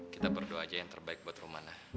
kita berdoa aja yang terbaik buat rumana